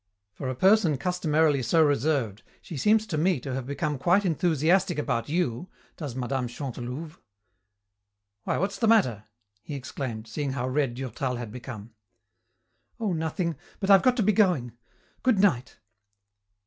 For a person customarily so reserved, she seems to me to have become quite enthusiastic about you, does Mme. Chantelouve. Why, what's the matter?" he exclaimed, seeing how red Durtal had become. "Oh, nothing, but I've got to be going. Good night."